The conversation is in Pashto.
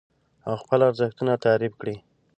او خپل ارزښتونه تعريف کړئ.